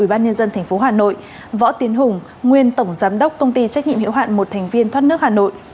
ubnd tp hà nội võ tiến hùng nguyên tổng giám đốc công ty trách nhiệm hiệu hạn một thành viên thoát nước hà nội